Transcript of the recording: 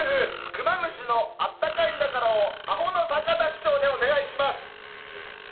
クマムシの「あったかいんだからぁ」をアホの坂田師匠でお願いします。